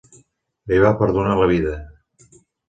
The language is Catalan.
Li va perdonar la vida.